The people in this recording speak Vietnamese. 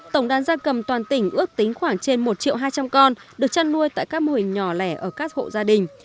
tổng đán gia cầm toàn tỉnh ước tính khoảng trên một triệu hai trăm linh con được chăn nuôi tại các mùi nhỏ lẻ ở các hộ gia đình